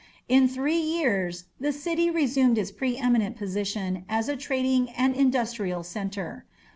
In three years the city resumed its pre eminent position as a trading and industrial centre.